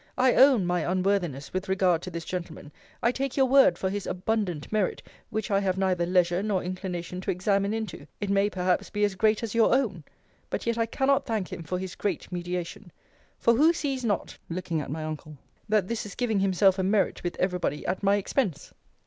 I own my unworthiness with regard to this gentleman. I take your word for his abundant merit, which I have neither leisure nor inclination to examine into it may perhaps be as great as your own but yet I cannot thank him for his great mediation: For who sees not, looking at my uncle, that this is giving himself a merit with every body at my expense?